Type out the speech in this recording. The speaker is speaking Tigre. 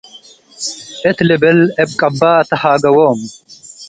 እት ልብል እብ ቅባ' ተሃገዎ'ም።